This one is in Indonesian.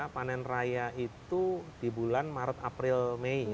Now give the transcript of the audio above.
panen raya itu di bulan maret april mei